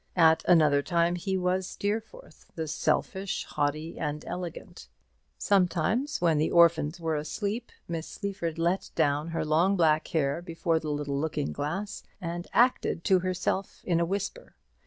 At another time he was Steerforth, selfish and haughty and elegant, Sometimes, when the orphans were asleep. Miss Sleaford let down her long black hair before the little looking glass, and acted to herself in a whisper.